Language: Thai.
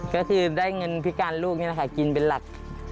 ก็คือได้เงินพิการลูกนี่แหละค่ะกินเป็นหลัก